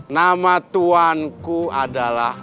nama tuanku adalah